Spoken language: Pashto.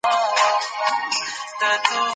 موږ وزن بيا زده کوو.